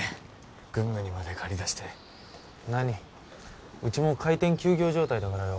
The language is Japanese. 軍務にまで駆り出してなにうちも開店休業状態だからよ